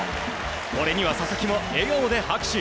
これには佐々木も笑顔で拍手。